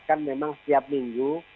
kan memang setiap minggu